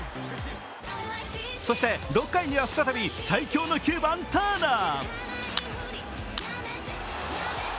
そして６回には再び最強の９番・ターナー。